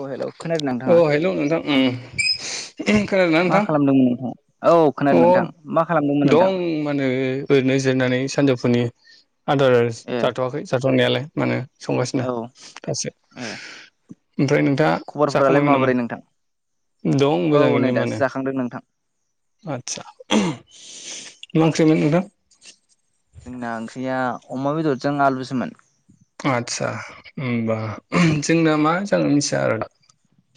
औ हेलौ खोनादों नोंथाङा औ हेल' नोंथां, उम खोनादों ना मा नोंथां खालामदोंमोन नोंथाङा? औ खोनादों नोंथां मा खालामदोंमोन अ नोंथां? दं माने ओरैनो जिरायनानै सानजौफुनि आदार ए जाथ'वाखै जाथ'नायालाय माहोनो संगासिनो औ दासो। ए ओमफ्राय नोंथाङा खबरफोरालाय जखांबायमोन नामा? माबोरै नोंथां? दं मोजाङैनो मानो खांदों नोंथां आदसा, मा ओंख्रिमोन नोंथां? जोंना ओंख्रिया अमा बेदरजों आलुसोमोन। आदसा होनबा जोंना मा जानो मिथिया आरो दा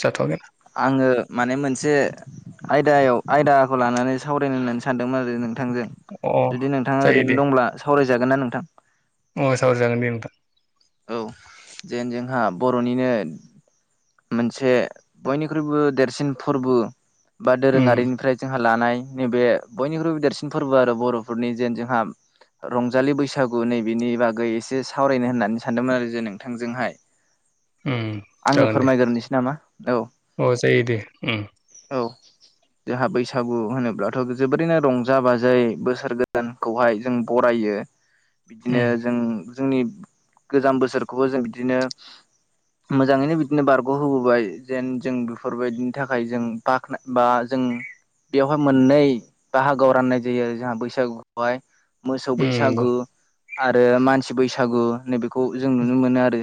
जाथ'वाखै ना आङो माने मोनसे आयदायाव आयदाखौ लानानै सावरायलाय होननानै सानदोंमोन आरो नों थांजों अ जुदि नोंथाङा, जायो दे ओरैनो दंब्ला सावरायजागोन ना नोंथां? अ सावराय जागोन दे नोंथां। औ जेन जोंहा बर'निनो मोनसे बयनिख्रुइबो देरसिन फोरबो बा उम दोरोङारिनिफ्राय जोंहा लानाय नैबे बयनिख्रुइबो देरसिन फोरबो आरो बर'फोरनि जेन जोंहा रंजालि बैसागु नैबेनि बागै एसे सावरायनो होननानै सा सान्दोंमोन आरो जे नोंथांजोंहाय। उम आंनो जागोन दे फोरमायगोरनोसै नामा? अ जायो दे उम औ-औ जोंहा बैसागु होनोब्लाथ' जोबोरैनो रंजा बाजायै बोसोर गोदानखौहाय जों बरायो उम बिदिनो जों जोंनि गोजाम बोसोरखौबो जों बिदिनो मोजाङैनो बिदिनो बारग'हबोबाय जेन जों बेफोरबायदिनि थाखाय जों बाखनाय बा जों बेवहाय मोननै बाहागोआव राननाय जायो आरो जोंहा बैसागु बेहाय मोसौ उम नंगौ बैसागु आरो मानसि बैसागु नैबे खौ जों नुनो मोनो आरो,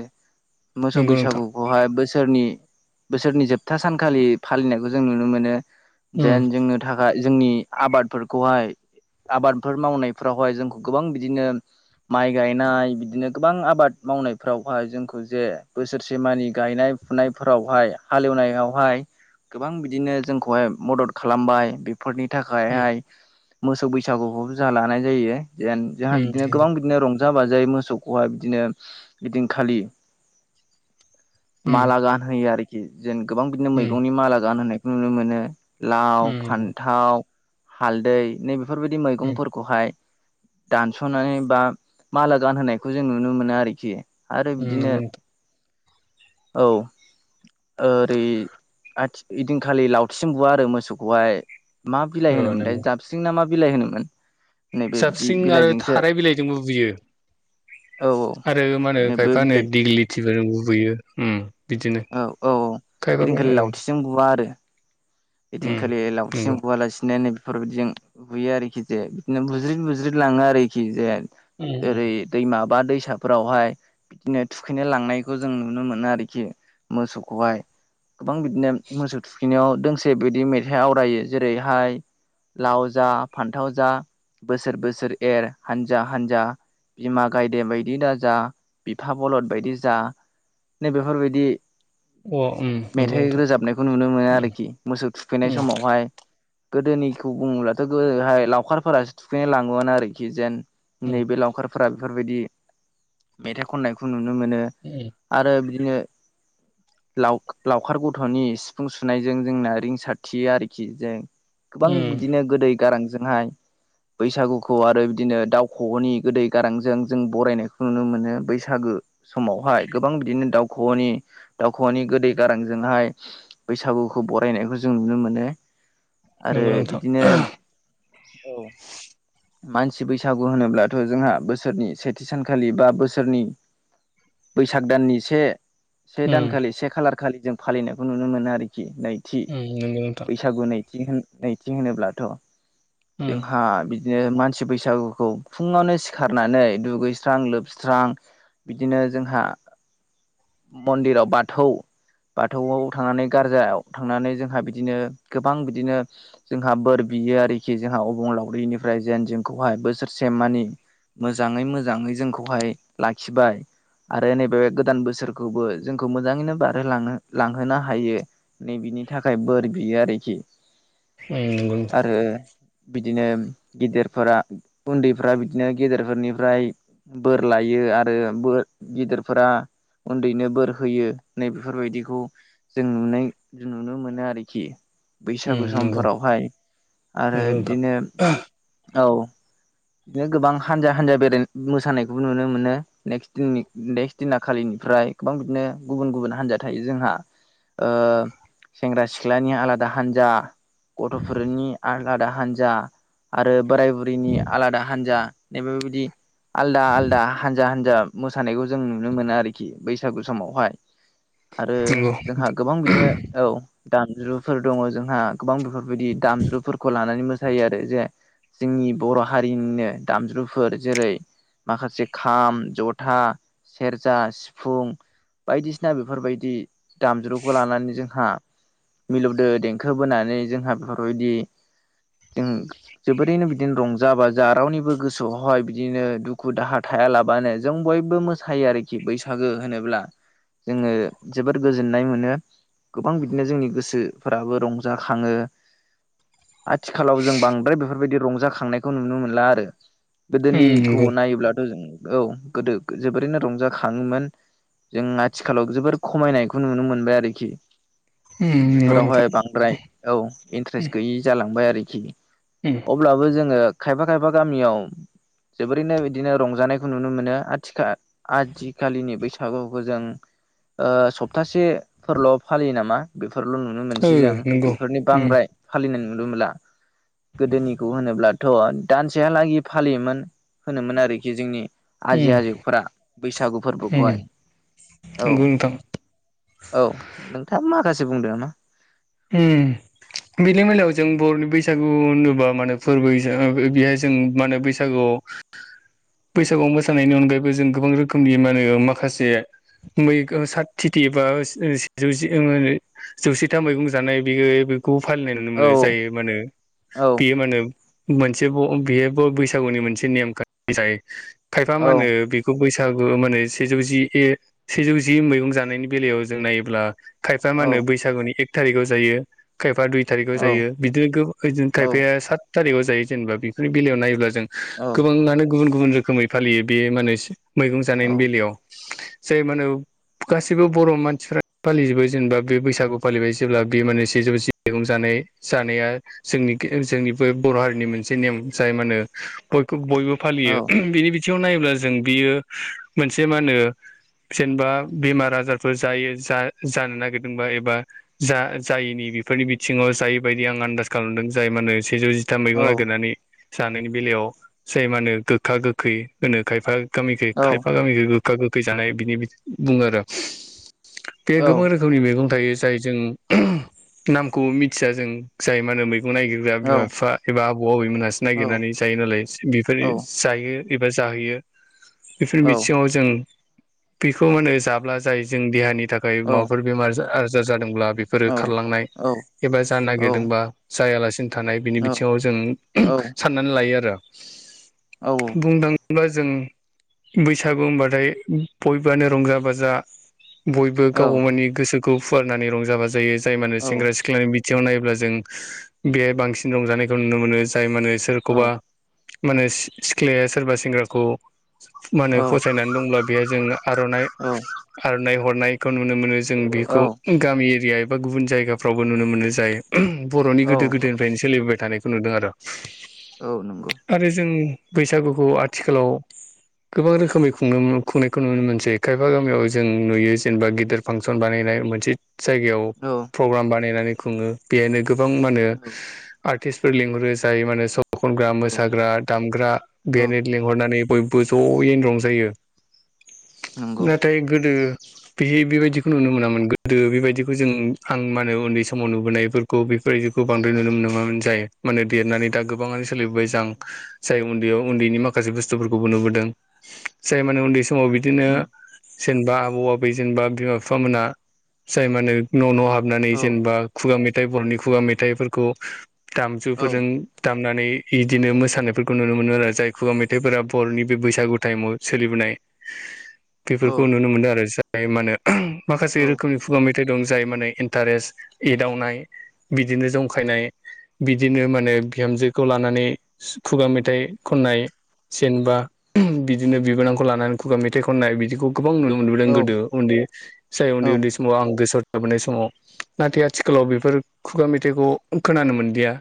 मोसौ नंगौ नोंथां बैसागु बेवहाय बोसोरनि बोसोरनि जोबथा सानखालि फालिनायखौ जों नुनो मोनो। उम जेन जोंनो थाखाय जोंनि आबादफोरखौहाय आबादफोर मावनायफोरावहाय जोंखौ गोबां बिदिनो माइ गायनाय बिदिनो गोबां आ बाद मावनायफोरावहाय जोंखौ जे बोसोरसेमानि गायनाय फुनायफोरावहाय हालेवनायावहाय गोबां बिदिनो जोंखौहाय मदद खालामबाय बेफोरनि उम थाखायहाय मोसौ बैसागुखौबो जाहा लानाय जायो। जेन जोंहा उम बिदिनो गोबां नंगौ बिदिनो रंजा बाजायै मोसौखौहाय बिदिनो बिदिनखालि उम माला गानहोयो आरोखि आरोखि जों गोबां बिदिनो उम मैगंनि माला गानहायखौ नुनो मोनो लाव, उम फान्थाव हालदै नै बेफोरबायदि उम उम मैगंफोरखौहाय दानस'नानै बा माला गानहोनायखौ जों नुनो मोनो आरोखि आरो बिदिनो नंगौ नोंथां औ ओरै आथि ऐदिनखालि लावथिजों बुवा आरो मोसौखौहाय मा बिलाइ ओ होनोमोनलाय नंगौ जाबस्रिं ना मा बिलाइ होनोमोन। नैबे बिदि जाबस्रिं आरो बिलाइजोंसो थाराय बिलाइजोंबो बुयो। औ औ आरो मा होनो नैबे खायफा नो बिलाइ दिगिलिथिफोरजोंबो बुयो उम बिदिनो खायफाबा ओ जों बुवा आरो ऐदिनखालि लावथिजों नंगौ गुवालासिनो नै बेफोरबायदिजों बुयो आरोखि जे बिदिनो बुज्रिद बुज्रिद लाङो आरोखि जे उम उम ओरै दैमा बा दैसाफोरावहाय। बिदिनो थुखैनो लांनायखौ जों नुनो मोनो आरोखि मोसौखौहाय गोबां बिदिनो मोसौ थुखैनायाव दोंसे बिदि मेथाइ आवरायो जेरैहाय लाव जा फान्थाव जा बोसोर बोसोर एर हानजा-हानजा बिमा गायदे बायदि दाजा बिफा बलद बायदि जा। नै बेफोरबायदि अ उम नंगौ मेथाइ नोंथां रोजाबनायखौ नुनो मोनो उम उम आरोखि। मोसौ थुखैनाय समावहाय गोदोनिखौ बुङोब्लाथ' गोदोहाय लावखारफोरासो थुखैनो लाङोमोन आरोखि जेन उम नैबे लावखारफोरा बेफोरबायदि मेथाइ खननायखौ नुनो मोनो। उम आरो बिदिनो लाव लावखार गथ'नि सिफुं सुनायजों जोंना रिंसारथियो आरोखि जों गोबां बिदिनो गोदै गारांजोंहाय बैसागुखौ आरो बिदिनो दाउखौवौनि गोदै गारांजों जों बरायनायखौ नुनो मोनो बैसागु समावहाय गोबां बिदिनो दाउखौवौनि दावउखौवौनि गोदै गारांजोंहाय बैसागुखौ बरायनायखौ जों नुनो मोनो। आरो नंगौ नोंथां बिदिनो औ मानसि बैसागु होनोब्लाथ' जोंहा बोसोरनि सेथि सानखालि बा बोसोरनि बैसाग दाननि से से दानखालि से खालारखालि जों फालिनायखौ नुनो मोनो आरोखि नैथि उम नंगौ नोंथां। बैसागु नैथि होन नैथि होनोब्लाथ' उम जोंहा बि- -दिनो मानसि बैसागुखौ फुङावनो सिखारनानै दुगैस्रां लोबस्रां बिदिनो जोंहा मन्दिराव बाथौ बाथौआव थांनानै गारजायाव थांनानै जों हा बिदिनो गोबां बिदिनो जोंहा बोर बियो आरोखि जोंहा अबंलावरिनिफ्राय जेन जोंखौहाय बोसोरसे मानि मोजाङै मोजाङै जोंखौहाय लाखिबाय। आरो नै बे गोदान बोसोरखौबो जोंखौ मोजाङैनो बारहोलांनो लांहोनो हायो। नै बिनि थाखाय बोर बियो आरोखि उम नंगौ नोंथां आरो बिदिनो गेदेरफोरा उन्दैफ्रा बिदिनो गेदेरफोरनिफ्राय बोर लायो आरो बोर गिदिरफोरा उन्दैनो बोर होयो नै बेफोरबायदिखौ जों नुनाय नुनो मोनो आरोखि। उम बैसागु उम समफोरावहाय आरो बिदिनो औ। बिदिनो गोबां हानजा हानजा बेराय मोसानायखौबो नुनो मोनो नेक्स्ट दिननि नेक्स्ट दिनाखालिनिफ्राय। गोबां बिदिनो गुबुन गुबुन हान्जा थायो जोंहा ओ सेंग्रा सिख्लानि आलादा हान्जा गथ'फोरनि आलादा हान्जा आरो बोराय बुरैनि आलादा हानजा नै बेबायदि आलादा आलादा हानजा हान्जा मोसानायखौ जों नुनो मोनो आरोखि बैसागु समावहाय। आरो जोंहा गोबां बिदिनो औ दामज्रुफोर दङ जोंहा गोबां बेफोरबायदि दामज्रुफोरखौ लानानै मोसायो आरो जे जोंनि बर' हारिनिनो दामज्रुफोर जेरै माखासे खाम जथा सेरजा सिफुं बायदिसिना बेफोरबायदि दामज्रुखौ लानानै जों हा मिलौदो देंखो बोनानै जोंहा बेफोरबायदि जों जोबोरैनो बिदिनो रंजा बाजा रावनिबो गोसोआवहाय बिदिनो दुखु दाहा थायालाबानो जों बयबो मोसायो आरोखि बैसागो होनोब्ला जोङो जोबोद गोजोननाय मोनो गोबां बिदिनो जोंनि गोसोफोराबो रंजाखाङो। आथिखालाव जों बांद्राय बेफोरबायदि रंजाखांनायखौ नुनो मोनला आरो। गोदोनिखौ नायोब्लाथ' जों औ गोदो जोबोरैनो रंजाखाङोमोन। जों आथिखालाव जोबोर खमायनायखौ नुनो मोनबाय आरोखि। नंगौ नोंथां बेफोरावहाय बांद्राय औ इन्ट्रेस गैयि जालांबाय आरोखि। [inaudible] अब्लाबो जोङो खायफा खायफा गामियाव जोबोरैनो बिदिनो रंजानायखौ नुनो मोनो आथिखा आजिखालिनि बैसागुखौ जों ओ सप्तासेफोरल' फालियो नामा बेफोरल' नुनो मोनसै जों नंगौ नोंथां नंगौ उम नंगौ उम नंगौ नोंथां उम ओ नंगौ बेफोरनि उम बांद्राय फालिनाय नुनो मोनला। गोदोनिखौ होनोब्लाथ' दानसेहालागि फालियोमोन होनोमोन आरोखि जोंनि आजै उम आजौफोरा बैसागु उम फोरबोखौहाय औ। नंगौ नोंथां औ नोंथाङा माखासे बुंदो नामा। उम। बिनि मेलायाव जों बर'नि बैसागु होनोबा माने फोरबो बेहाय जों मा होनो बैसागुआव [inaudible] बैसागु मोसानायनि अनगायैबो जों गोबां रोखोमनि मा होनो माखासे मै साथिथि एबा सेजौ जि मा होनो जौसेथा मैगं जानाय बि बेखौ फालिनाय नुनो औ मोनो जायो माहोनो औ बियो माहोनो मोनसे बेहबो बैसागुनि मोनसे नेम खान्थि जायो खायफा औ मा होनो बैसागु माने सेजौ जि ए सेजौ जि मैगं जानायनि बेलायाव जों नायोब्ला खायफा मा औ होनो बैसागुनि एक थारिखाव जायो खायफा दुइ थारिखाव औ जायो बिदिनो ओ औ खायफाया सात थारिखआव जायो जेनेबा बेफोरनि बेलायाव नायोब्ला जों औ। गुबुन गुबुन रोखोमै फालियो बे माने मैगं औ जानायनि बेलायाव जाय माने गासिबो बर' मानसिफ्रा फालिजोबो जेनेबा बे बैसागु फालिबाय जेब्ला बे माने सेजौ जि मैगं जानाय जानाया जोंनि जोंनि बे बर' हारिनि मोनसे नेम जाय मा होनो बयखौ बयबो फालियो बिनि बिथिङाव नायोब्ला जों बियो मोनसे मा होनो जेनेबा बेमार आजारफोर जायो जानो नागिरदोंबा एबा जा जायिनि बेफोरनि बिथिङाव जायबायायदि आं आन्दास खालामदों जाय माहोनो सेजौ जि था औ मैगं नागिरनानै जानायनि बेलायाव जाय मा होनो गोखा गोखै होनो खायफा गामिखै औ खायफा गामिखै गोखा-गोखै जानाय बिनि बुङो आरो बे औ गोबां रोखोम नि मैगं थायो जाय जों नामखौ मिथिया जों जाय मा होनो मैगं नागिर बिमा-बिफा एबा आबौ-आबै मोनहासो नागिरनानै जायो नालाय बेफोर जायो एबा जाहोयो बेफोर औ बिथिङाव जों बेखौ माने जाब्ला जायो जों देहानि थाखाय औ माबाफोर बेमार आजार जादोंब्ला बेफोरो खारलांनाय एबा जानो नागिरदोंबा जायालासिनो थानाय बिनि बिथिङाव जों साननानै लायो आरो। औ। बुंनो थाङोब्ला जों बैसागु होनबाथाय बयबोआनो रंजा-बाजा बयबो औ गाव-गाावनि गोसोखौ फुवारनानै रंजा बाजायो जाय माने औ सेंग्रा-सिख्ला सिख्लानि बिथिङाव नायोब्ला जों बेहाय बांसिन रंजानायखौ नुनो मोनो जाय मा होनो औ सोरखौबा माने सि सिख्लाया सोरबा सेंग्राखौ मानो फसायना दंब्ला बेहा जों आर'नाइ औ आर'नाइ हरनायखौ नुनो मोनो जों बेखौ औ गामि एरिया एबा गुबुन जायगाफ्रावबो नुनो मोनो जायो बर'नि औ गोदो गोदो फ्रायनो सोलिबोबाय थानायखौ नुदो आर' औ नंगौ। आरो जों बैसागुखौ आथिखालाव गोबां रोखोमै खुं खुंनायखौ नुनो मोनसै खायफा गामियाव जों नुयो जेनबा गिदेर फांसन बानायनाय मोनसे जायगायाव औ प्रग्राम बानायनानै खुङो बेहायनो गोबां मानो औ आर्टिस्फोर लिंहरो जाय मानो स खनग्रा औ मोसाग्रा दामग्रा औ बेेनेट लिंहरनानै बयबो ज'यैनो रंजायो। नंगौ नाथाय गोदो बे बेबायदिखौ नुनो मोनामोन गोदो बेबायदिखौ जों नु आं माहोनो उन्दै समाव नुबोनायफोरखौ बेफोरबायदिखौ बांद्राय नुनो मोनामोन जाय मानोे देरनानै दा गोब गोबाङानो सोलिबोबाय जां जाय उन्दैयाव उन्दैनि माखासे बुस्थुफोरखौबो नुबोदों जाय माने उन्दै समाव बि दिनो उम जेनेबा आबौ आबै जेनबा बिमा बिफा मोना जाय मानो न' न' हाब नानै औ जेनेबा खुगा मेथाइ बर'नि खुगा मेथाइफोरखौ औ दामजुफोरजों दामनानै इदिनो मोसानायफोरखौ नुनो मोनो आरो जाय खुगा मेथाइफोरा बर'नि बे बैसागु टाइमाव सोलिबोनाय [inaudible] फोरखौ नुनो मोनदों आरो जाय मानो औ माखासे रोखोमनि खुगा मेथाइ दं जाय माने इन टारेस्ट एदावनाय बिदिनो जंखायनाय बिदिनो मानो बिहामजोखौ लानानै खुगा मेथाइ खननाय जेनबा [inaudible] बिदिनो बिबोनांखौ लानानै खुगा मेथाइ खननाय बिदिखौ गोबां नुनो मोनबोदों औ गोदो उन्दै जाय औ उन्दै उन्दै समाव आं गोसोआव थाबोनाय समाव नाथाय आथिखालाव बेफोर खुगा मेथाइखौ खोनानो मोनदिया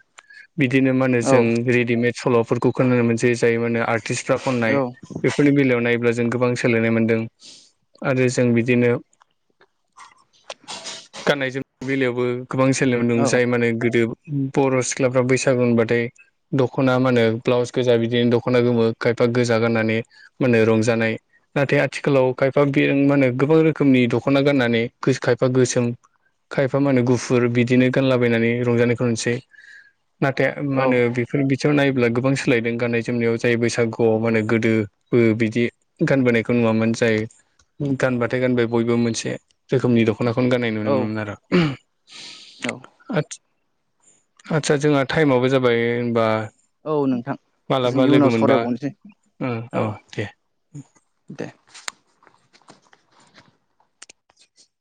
बिदिनो मा होनो औ जों रेडिमेड सल'फोरखौ खोनानो मोनसै जायो माने आर्टिस्टफ्रा खननाय बेफोरनि बेलायाव नायोब्ला जों गोबां सोलायनाय मोनदों आरो जों बिदिनो गाननाय जोमनाय बेलायावबो गोबां सोलायनाय नुनो मोन्दों जाय माने गोदो बर' सिख्लाफ्रा बैसागु होनबाथाय दख'ना मा होनो ब्लाउस गोजा बिदिनो दख'ना गोमो खायफा गोजा गाननानै मा होनो रंजानाय नाथाय आथिखालाव खायफा बेन मा होनो गोबां रोखोमनि दख'ना गाननानै खायफा गोसोम खायफा मा होनो गुफुर बिदिनो गानलाबायनानै रंजानायखौ नुसै नाथाय मा औ होनो बि फोर बिथिङाव नायोब्ला गोबां सोलायदों गाननाय जोमनायाव जाय बैसागुआव मानो गोदोबो बिदि गानबोनायखौ नुवामोन जाय गानबाथाय गानबाय बयबो मोनसे रोखोमनि दख ख्ना गाननाय नुनो मोनोमोन आरो आटस आटसा जोंहा टाइमाबो जाबाय होनबा औ नोंथां जों मालाबा लोगो इयुनाव मोनबा सावरायबावनोसै ओं औ दे दे